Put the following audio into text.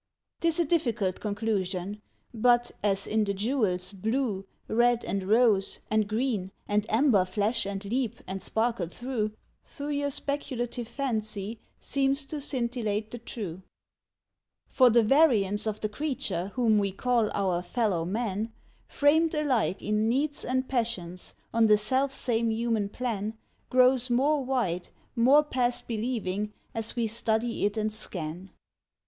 'T is a difficult conclusion ; but, as in the jewel's blue, Red and rose and green and amber flash and leap and sparkle through, Through your speculative fancy seems to scintillate the true. TEMPERAMENTS 1 7 For the variance of the creature whom we call our fellow man, Framed alike in needs and passions, on the self same human plan, Grows more wide, more past believing, as we study it and scan.